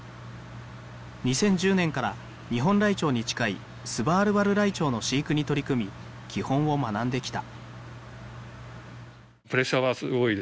２０１０年からニホンライチョウに近いスバールバルライチョウの飼育に取り組み基本を学んできた。